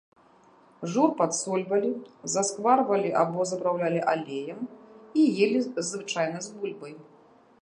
Жур падсольвалі, заскварвалі або запраўлялі алеем і елі звычайна з бульбай.